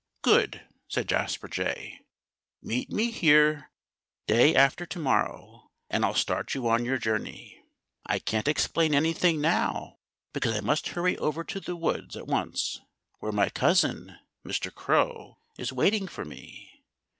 "Good!" said Jasper Jay. "Meet me here day after to morrow and I'll start you on your journey. I can't explain anything now, because I must hurry over to the woods at once, where my cousin, Mr. Crow, is waiting for me."